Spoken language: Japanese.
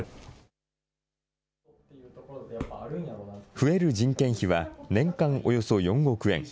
増える人件費は年間およそ４億円。